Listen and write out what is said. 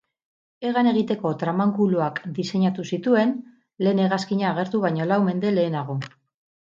Hegan egiteko tramankuluak diseinatu zituen, lehen hegazkina agertu baino lau mende lehenago.